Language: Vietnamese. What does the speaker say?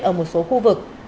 ở một số khu vực